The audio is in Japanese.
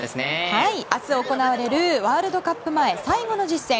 明日、行われるワールドカップ前最後の実戦